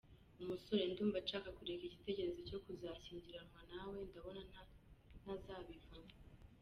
Umusore : Ndumva nshaka kureka igitekerezo cyo kuzashyingiranwa nawe, ndabona ntazabivamo !.